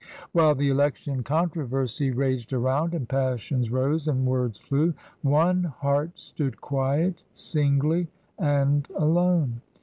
While the election controversy raged around and passions rose and words flew, one heart stood quiet, singly and alone.